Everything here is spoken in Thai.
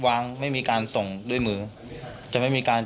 จากนั้นก็จะนำมาพักไว้ที่ห้องพลาสติกไปวางเอาไว้ตามจุดนัดต่าง